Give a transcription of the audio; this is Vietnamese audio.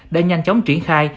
để nhanh chóng triển khai